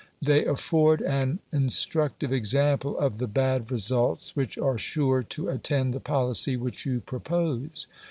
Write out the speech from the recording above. They afford an instructive example of the bad results which are sure to attend the policy which you propose.